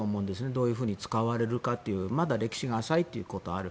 どういうふうに使われるかというまだ歴史が浅いということがある。